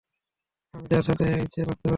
আমি যার সাথে ইচ্ছে নাচতে পারি।